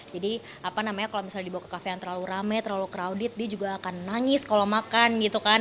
jadi apa namanya kalau misalnya dibawa ke kafe yang terlalu rame terlalu crowded dia juga akan nangis kalau makan gitu kan